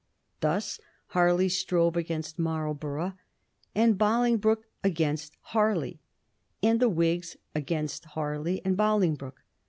Thus Harley strove against Marlborough, and Bolingbroke against Harley, and the Whigs against Harley and Bolingbroke.